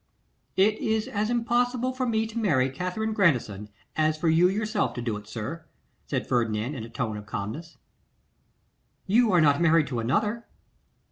'It is as impossible for me to marry Katherine Grandison, as for you yourself to do it, sir,' said Ferdinand, in a tone of calmness. 'You are not married to another?